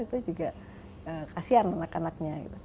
itu juga kasihan anak anaknya